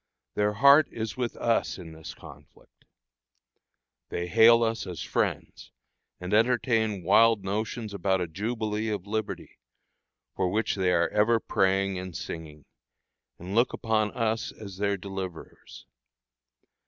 Their heart is with us in this conflict. They hail us as friends, and entertain wild notions about a jubilee of liberty, for which they are ever praying and singing, and look upon us as their deliverers.